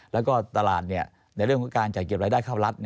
แล้วก็ตลาดในเรื่องของการจัดเก็บรายได้เข้ารัฐ